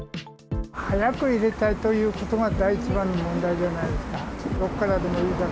早く入れたいということが第一番の問題じゃないですか。